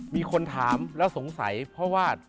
มีคนถามแล้วสงสัยเพราะว่า